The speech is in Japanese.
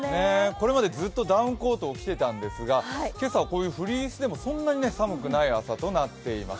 これまでずっとダウンコートを着てたんですが今朝はこういうフリースでもそんなに寒くない朝となっています。